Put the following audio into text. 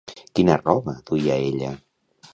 Quina roba duia ella?